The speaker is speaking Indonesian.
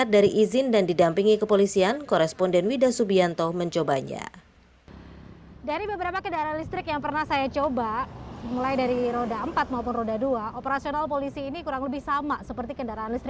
dan ini kami sudah koordinasi juga dengan pln